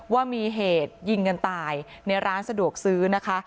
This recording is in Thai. ว่ามีเหตุยิงกันตายในร้านสะดวกซื้อนะคะ